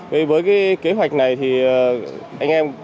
với kế hoạch này thì anh em